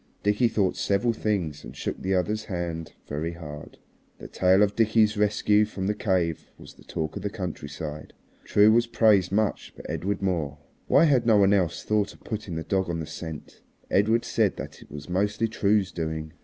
Dickie thought several things and shook the other's hand very hard. The tale of Dickie's rescue from the cave was the talk of the countryside. True was praised much, but Edred more. Why had no one else thought of putting the dog on the scent? Edred said that it was mostly True's doing.